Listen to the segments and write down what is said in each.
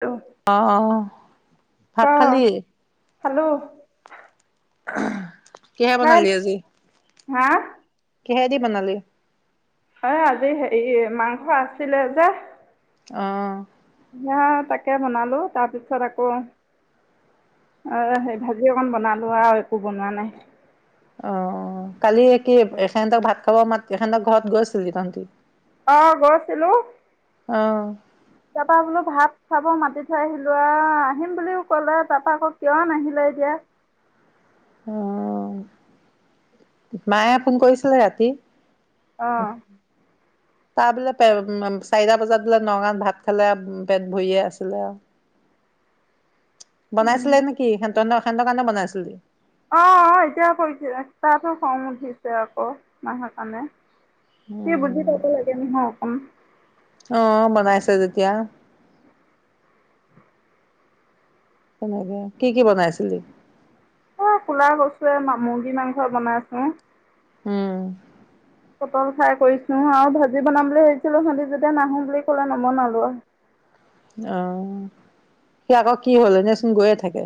Hello অ' ভাত খালি? হেল্ল'! [inaudible] বনালি আজি হা কিহেদি বনালি হয় আজি মাংস আছিলে যে। অ'। সেয়া তাকে বনালো তাৰপিছত আকৌ অ সেই ভাজি অকন বনালো আৰু একো বনোৱা নাই। অ কালি কি সেনতক ভাত খাব মাতি সেঁতক ঘৰত গৈছিলি তহঁতি? অ গৈছিলো? অ'। তাৰাপা বোলো ভাত চাব মাতি থৈ আহিলো আহ আহিম বুলিও কলে তাৰাপা আকৌ কিয় নাহিলে এতিয়া। অ মায়ে ফোন কৰিছিলে ৰাতি? অ'। তাৰ বোলে চাৰিটা বজাত বোলে নওঁমান ভাত খালে পেট ভৰিয়ে আছিলে আৰু। উম বনাইছিলে নেকি সিহঁত সেন্দ কাৰনে বনাইছিলি? অ অ এতিয়া কৰি তাতো খং উঠিছে আকৌ নাহা কাৰণে। সি বুজি উম পাব লাগে নহয় অকন। অ বনাইছে যেতিয়া সনেকে কি কি বনাইছিলি? অ কোলা কচু মুৰ্গী মাংস বনাইছো। উম পটল ফৰাই কৰিছো আৰু ভাজি বনাম বুলি ভাবিছিলো সিহঁতে যেতিয়া নাহো বুলি কলে নবনালো আৰু। অ সি আকৌ কি হ'ল এনে চোন গৈয়ে থাকে।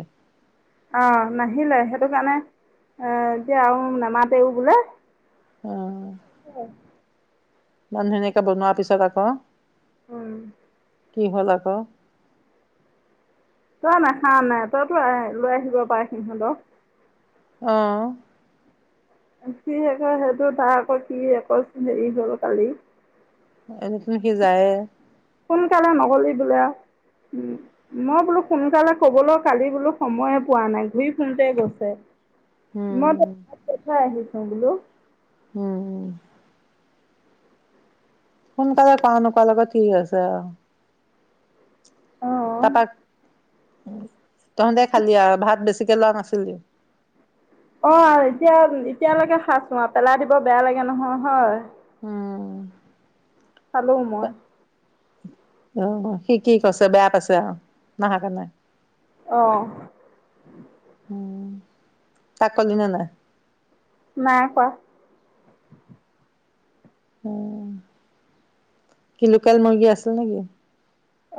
অ নাহিলে সেইটো কাৰণে এ এতিয়া আৰু নামাতেও বোলে অ'। [unintelligible] মানুহ মেনেক বনোৰ পিছত আকও। উম। কি হল আকৌ। তই নাখা নাই তইতো আহ লৈ আহিব পাৰ সিহঁতক। অ'। কি আক সেইটো তাৰ আকৌ কি আচোন হেৰি হল কালি। এনেকে সি যায়ে। সোনকালে নগলি বোলে উ মই বোলো সোনকালে কবলৈ কালি বোলো সময়ে পোৱা নাই ঘূৰি ফোৰোতে গৈছে। মই উম, ত [unintelligible] অ বোলো উম। সোনকালে কৰা নকৰা লগত কি আছে আৰু। অ'। তাৰ পৰা তহঁতে খালি আৰু ভাত বেছি। চিকেলং আছিল দিওঁ অহ ', এতিয়া এতিয়ালৈকে খাইচো আৰু পেলাই দিব বেয়া লাগে নহয় হয়। উম, পালো মই। অহ ', সি কি কৈছে বেয়া পাইছে আহ', নাহা কাৰণে। অহ ', উম', তাকলি ন নাই? নাই কোৱা। উম ', কি লোকাল মুৰ্গী আছিল নেকি?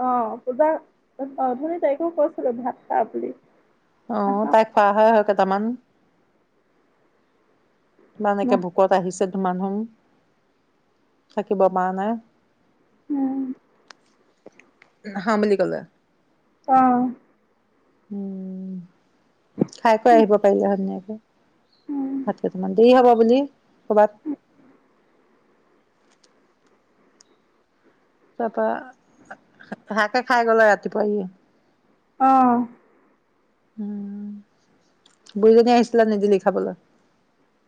অহ ', পূজা অহ ', ধুনী তাইকেও কৈছিলো ভাত খা বুলি। অহ ', নাখাওঁ তাই খোৱা হয়- হয় ক তাৰমান ইমান এেকে নাখ ভোকত আহিছে। মানুহ থাকিব পৰা নাই। উম', হা মিলি গলে। অহ ', উম' খাই কৈ আহিব পাৰিলে ধুনীয়াকে। উম আতিটো মন্দিৰ হব। বুলি। কবাত। তাৰপা শাকে খাই গলে ৰাতিপুৱা ই অহ ', উম ', বুইজনী আহিছিলা নিদিলিখাবলৈ?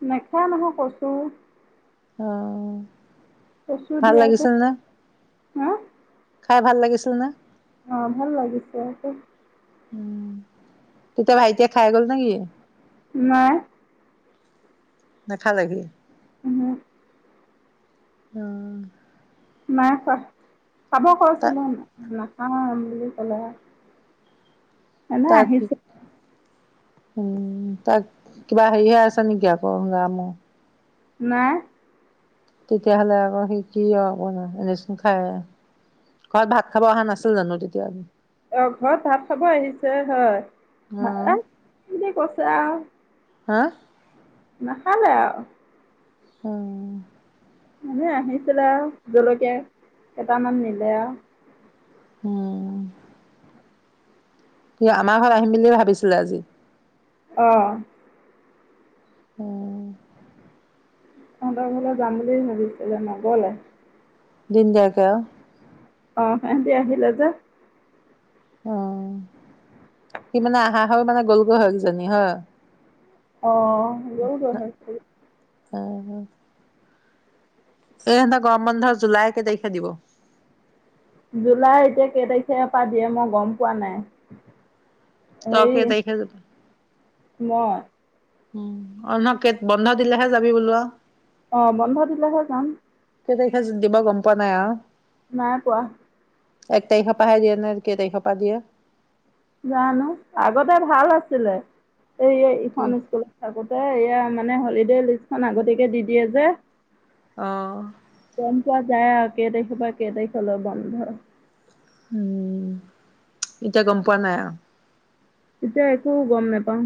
নেখায় নহয় কৈছো। অহ ', কচু দিয়া যে হা। খাই ভাল লাগিছিল নে? অহ ', ভাল লাগিছে। উম ', তেতিয়া ভাইটিয়ে খাই গ'ল নে কি? নাই নেখালে সী। উমহো ', উম ', নাই খোৱা। চাব তাক কৈছিলে আপোনাক। অহ ', বুলি কলে। এনে তাক আহিছিল। উম', ত কিবাহি হছ নি কিয় কৰ গ ম। নাই। তেতিয়াহ'লে আকৌ সি কি আৰু আপোনাৰ এনেচোন খাই, ঘৰত ভাত খাব অহা নাছিল জানো তেতিয়া। অ', ঘৰত ভাত খাব আহিছে হয় অ ভা কিযে কৈছে আৰু। হা নাখালে আৰু। হম। এনে আহিছিলে আৰু জলকীয়া কেইটামান নিলে আও। উম। সি আমাৰ ঘৰত আহিম বুলিয়ে ভাবিছিলে আজি অ'। উম। তহঁতৰ ঘৰলৈ যাম বুলি ভাবিছিলে। নগ'লে। দিন দিয়াকে আৰু। অ' সিহঁতি আহিলে যে। অ'। সি মানে আহা হয় মানে গ'লগৈ হয় কিজানি হয়? অ'। অ' যোগ [unintelligible] অ'। এই এহেঁতৰ গৰম বন্ধ, জুলাইৰ কেই তাৰিখে দিব? জুলাইৰ এতিয়া কেই তাৰিখে পৰা দিয়ে মই গম পোৱা নাই। তই হেৰি কেই তাৰিখে যাবি? মই উম। বন্ধ দিলেহে যাবি বোলো আৰু? অ' বন্ধ দিলেহে যাম। কেই তাৰিখে দিব গম পোৱা নাই আৰু। নাই পোৱা। এক তাৰিখৰ পাহে দিয়ে নে, কেই তাৰিখৰ পা দিয়ে। জানো। আগতে ভাল আছিলে। এই কি ইখন স্কুলত থাকো এয়া মানে হলিডে লিষ্টখন আগতীয়াকে দি দিয়ে যে। অ'। গম পোৱা যায় আৰু কেই তাৰিখৰ পৰা কেই তাৰিখলৈ বন্ধ। উম, এতিয়া গম পোৱা নাই আৰু। এতিয়া একো গম নেপাওঁ।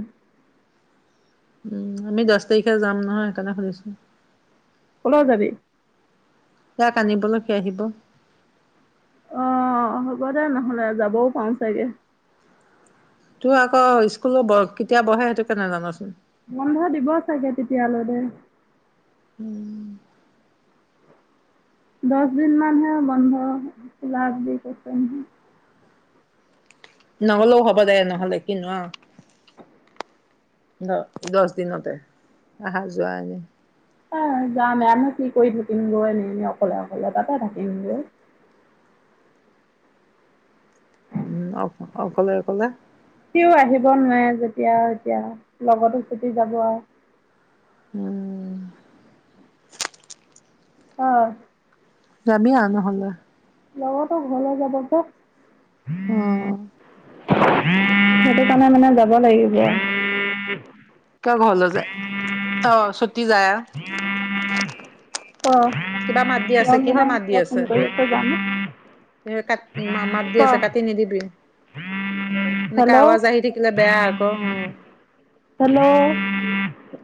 উম, আমি দছ তাৰিখে যাম নহয় সেইকাৰণে সুধিছো। ক'লৈ যাবি? তাক আনিবলৈকে আহিব। অ', হ'ব দে নহ'লে যাবও পাৰোঁ চাগে। তোৰ আকৌ স্কুলো কেতিয়া বহে সেইটো কে নাজানোচোন। বন্ধ দিব চাগে তেতিয়ালৈ দে। উম। দছ দিনমানহে বন্ধ লাখ দি কৰছে। নহ'লেও হ'ব দে নহ'লে কিনো আৰু দছ দিনতে, অহা যোৱা এনে। অহ, যামেনহ কি কৰি থাকিম গৈ এনেই এনে অকলে অকলে তাতে থাকিম গে। উম, অক অকলে, অকলে। সিও আহিব নোৱাৰে যেতিয়া এতিয়া লগতো ছুটি যাব আৰু। উম। অহ। যাবি আ নহ'লে। লগতো ঘলে যাব গে। অ [inaudible] সেইটো কাৰণে মানে যাব লাগিব। কিয় ঘৰলৈ যায়? অহ ছুটি যায় আ [inaudible] ক কিবা মাত দি আছে, কিহৰ ৰঞ্জনাই মাত দি কিয় আছে ফোন কৰি সেইটো? আছে জানো এ কাত, মা মাত দি ক আছে, কাটি নিদিবি। এনেকা হেল্ল' আৱাজ আহি থাকিলে বেয়া আকৌ, উম।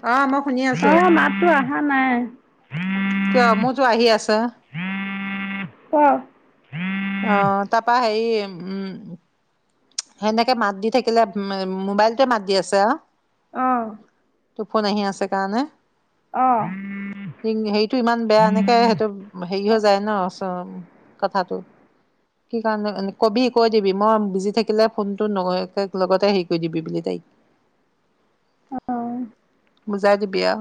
অ মই শুনি আছো অহ, মাতটো অহা নাই। কিয় মোৰতো আহি আছ [unintelligible] কহ। [unintelligible] অহ তাৰপৰা হেৰি, উম সেনেকে মাত দি থাকিলে, উম, ম, মবাইলটোৱে মাত দি আছে আ? অহ। তোৰ ফোন আহি আছে কাৰণে। অ' ৰিং হেৰিটো ইমান বেয়া এনেকে সেইটো, হেৰি হৈ যায় ন। অঁ কথাটো, কি কাৰণে, এন কবি, কৈ দিবি, মই বিজি থাকি কিলে ফোনটো ন, এ লগতে হেৰি কৰি দিবি বুলি দেই। বুজি বুজাই দিবি আও।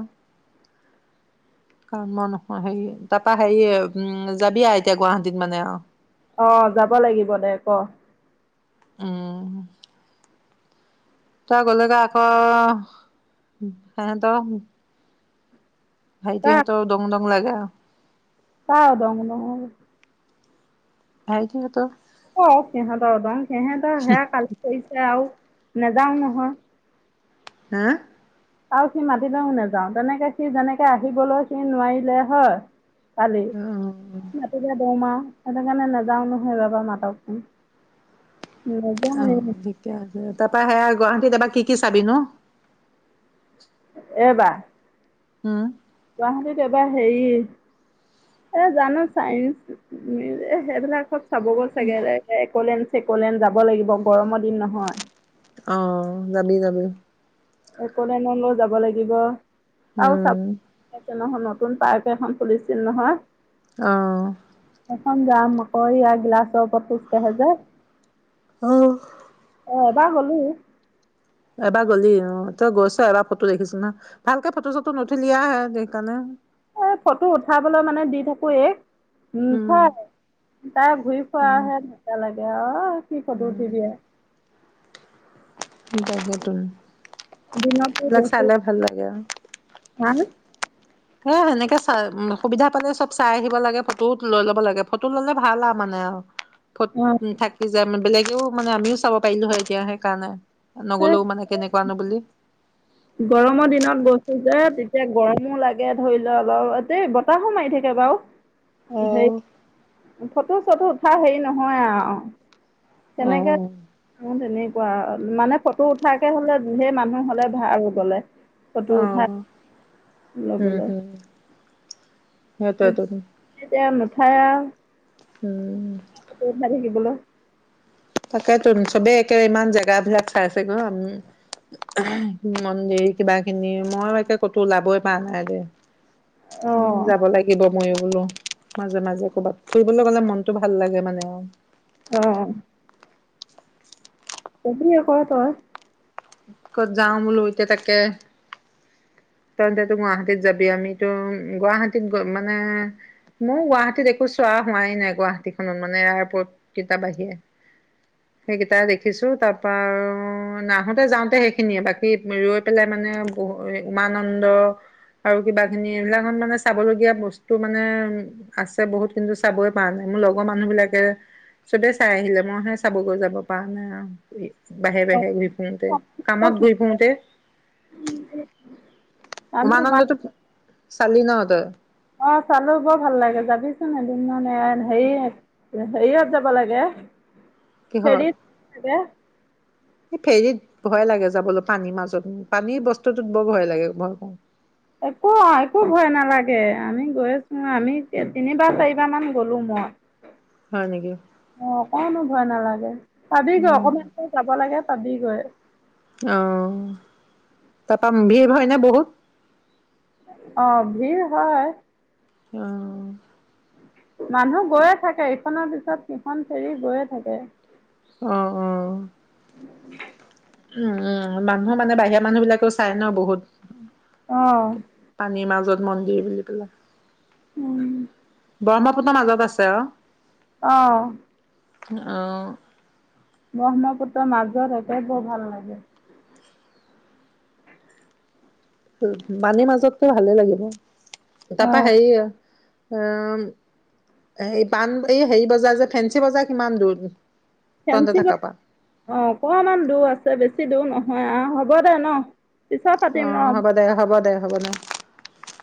কাৰণ মই নহয় হেৰিয়ে, তাৰাপৰা হেৰি, উম যাবি আও এতিয়া গুৱাহাটীত মানে আও? অহ, যাব লাগিব দে ক। উম। তই গ'লেতো আকৌ, সিহঁতক- ভাইটিহঁতেও দমুনক- লাগে আৰু। অহ [unintelligible] ভাইটিহঁতেও- অহ সিহঁতৰ দম, সিহঁতৰহে কাল কৰিছে আৰু। নেযাওঁ নহয়। হা? আৰু সি মাতিলেও নেযাওঁ। তেনেকে সি যেনেকে আহিবলৈ সি নোৱাৰিলে হয়। কালি। অ নাছিলে, দেৰ মাহ। সেইটো কাৰণে নাযাওঁ নহয়। ৰ'বা, মাতকচোন। নাযাওঁ অহ থিকে আছে। তাত- পা সেয়া, গুৱাহাটীত এবাৰ কি কি চাবি নু? এইবাৰ? হম। গুৱাহটীত এবাৰ হেৰি এ জানো চাইনচ উ, এ সেইবিলাকত চাব গ'ল চাগে লে এক'লেণ্ড চেকলেন যাব লাগিব গৰমৰ দিন নহয়। অ', যাবি, যাবি। এক'লেণ্ডলৈ যাব লাগিব। আৰু উম চাবছ একে নহ, নহ নতুন পাৰ্ক এখন খুলিছিল নহয়। অ'। এখন দাম আকৌ ইয়াৰ গিলাচৰ ওপৰত খোজকাঢ়ে যে। অ'। অ' এবাৰ হ'লো। এবাৰ গ'লি অ', তই গৈছ এবাৰ ফটো দেখিছো নহয়। ভালকে ফটো-চটো নুঠিলি আৰু হে সেইকাৰণ এই ফটো উঠাবলৈ মানে দি থাকো এইক নুঠে উম তাই ঘূৰি উম ফুৰাহে লাগিছে এয়া [inaudible] কি ফটো উঠি উম দিয়ে। স ত ব ত [inaudible] দিনতো এইবিলাক চানা ভাল লাগে আৰু। হা। এ সেনেকে চাই সুবিধা পালে চব চাই আহিব লাগে। ফটো লৈ ল'ব লাগে ফটো ললে ভাল আৰু মানে আৰু ফট অ থাকি যায় মানে বেলেগ এও মানে আমিও চাব পাৰিলো হয় এতিয়া সেইকাৰণে। সেই নগলেও মানে কেনেকুৱা নো বুলি? গৰমৰ দিনত গৈছো যে তেতিয়া গৰমো লাগে ধৰি লোৱা অলপ এ বতাহো মাৰি থাকে বাৰু। অ সেই [inaudible] ফটো চটো উঠা হেৰি নহয় আও। অ তেনেকে অ', তেনে কোৱা মানে ফটো উঠাকে হ'লে সেই মানুহ হ'লে ভা আৰু গ'লে ফটো উঠা হম, লবলৈ হম। সেইটোৱেতো এতিয়া নোঠাই আও। হম। [unintelligible] তাকেটো চবেই একে ইমান জেগাবিলাক চাইছেগৈ এহ মন্দিৰ কিবা খিনি মই একে ক'তো ওলাবই পাৰা নাই দেই। হম, অঁ যাব লাগিব। ময়ো বোলো মাজে মাজে ক'বাত, ফুৰিবলৈ গ'লে মনটো ভাল লাগে মানে আৰু। অ'। কবি আকৌ তই। ক'ত যাও বোলো, এতিয়া তাকে তহটেতো গুৱাহাতীত যাবি আমিতো গুৱাহাতীত মানে মোৰ গুৱাহাটীত একো চোৱা হোৱাই নাই গুৱাহাটীখনত মানে এয়াৰপৰ্ট কেইটাৰ বাহিৰে, সেইকেইটা দেখিছো তাৰ পৰা আৰু নাহত তে যাওঁতে সেইখিনিয়ে বাকী ৰৈ পেলাই মানে বহু উমানন্দ আৰু কিবা খিনি এইবিলাক মানে চাবলগীয়া বস্তু মানে আছে বহুত কিন্তু চাবই পৰা নাই মোৰ লগৰ মানুহ বিলাকে চবেই চাই আহিলে মইহে চাব গৈ যাব পৰা নাই আৰু। বাহিৰে বাহিৰে ঘূৰি অ, কামত ঘূৰি ফুৰোতে, আমি মাছ উমানন্দটো চালি ন তই। অঁ চালো বৰ ভাল লাগে যাবিচোন এদিন। মানে হেৰি হেৰিয়াত যাব লাগে কিহত হেৰিত এই ফেৰীত ভয় লাগে যাবলৈ পানীৰ মাজত, পানীৰ বস্তুটোত বৰ ভয় লাগে ভয় কৰো। একো- একো ভয় নালাগে, আমি গৈছো আমি তিনিবাৰ চাৰিবাৰ মান গলো মই। হয় নেকি অঁ অকনো ভয় নালাগে। [inaudible] পাবি গৈ উম অকমান দুৰ যাব লাগে। চাবি গৈ। অ', তাৰপা ভিৰ হয় নে বহুত। অ' ভিৰ হয় অঁ মানুহ গৈয়ে থাকে, ইখনৰ পিছত সিখন ফেৰি গৈয়ে থাকে। অঁ অঁ [inaudible] উম- উম মানুহৰ মানে বাহিৰা মানুহ বিলাকেও চাই ন বহুত। পানীৰ মাজত মন্দিৰ বুলি ক'লে। উম ব্ৰহ্মপুত্ৰৰ মাজত আছে আও। অঁ অঁ ব্ৰহ্মপুত্ৰৰ মাজত একে বৰ ভাল লাগে। মানে মাজত ভালে লাগিব। তাপা অ' হেৰি অম, এই পাণ এই হেৰি বজাৰ যে ফেঞ্চি বজাৰ কিমান দূৰ নো। ফেঞ্চি বজাৰ, অ' অকণমান দূৰ আছে বেছি দূৰ নহ হয়, অঁ হ'ব দে ন। পিছত পাতিম অ' ৰ হ'ব দে- হ'ব দে। [unintelligible]